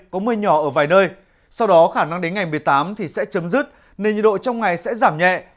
có mưa nhỏ ở vài nơi sau đó khả năng đến ngày một mươi tám thì sẽ chấm dứt nên nhiệt độ trong ngày sẽ giảm nhẹ